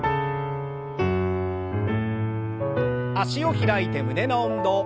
脚を開いて胸の運動。